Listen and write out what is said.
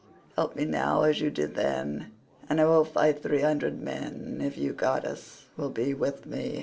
Help me now as you did then, and I will fight three hundred men, if you, goddess, will be with me."